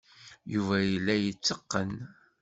Yuba yella yetteqqen.